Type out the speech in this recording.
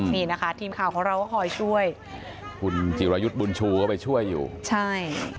นี่นะคะทีมข่าวของเราก็คอยช่วยคุณจิรายุทธ์บุญชูก็ไปช่วยอยู่ใช่